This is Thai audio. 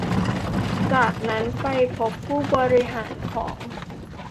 จากนั้นไปพบผู้บริหารของ